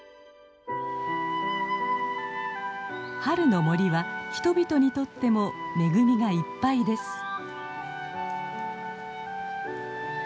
春の森は人々にとっても恵みがいっぱいです。